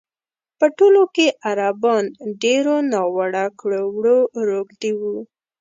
په ټول کې عربان ډېرو ناوړه کړو وړو روږ دي وو.